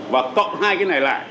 và tọng hai cái này lại